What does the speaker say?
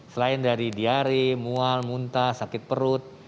selain dari diare mual muntah sakit perut